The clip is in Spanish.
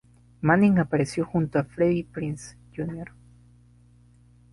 Manning apareció junto a Freddie Prinze, Jr.